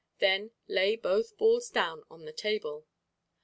Then lay both balls down on the table.